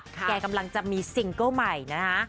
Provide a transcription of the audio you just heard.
แกกำลังจะมีซิงเกิ้ลใหม่นะฮะ